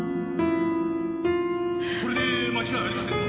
これで間違いありませんか？